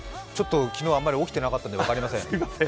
昨日、あまり起きてなかったので分かりません。